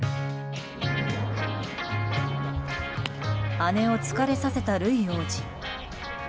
姉を疲れさせたルイ王子。